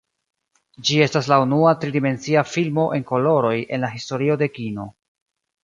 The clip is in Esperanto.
Ĝi estas la unua tri-dimensia filmo en koloroj en la historio de kino.